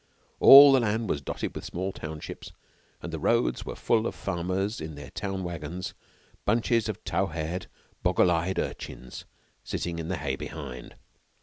All the land was dotted with small townships, and the roads were full of farmers in their town wagons, bunches of tow haired, boggle eyed urchins sitting in the hay behind.